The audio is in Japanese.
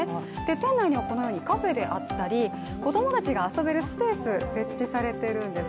店内にはこのようにカフェであったり子供たちが遊べるスペース設置されてるんです。